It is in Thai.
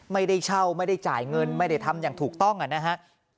ไม่ได้เช่าไม่ได้จ่ายเงินไม่ได้ทำอย่างถูกต้องนะฮะ